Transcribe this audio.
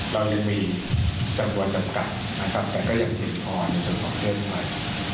เรายังมีจำนวนจำกัดแต่ก็ยังผิดพอในส่วนของเครื่องไทย